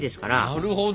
なるほど。